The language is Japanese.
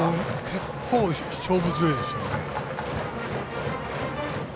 結構勝負強いです。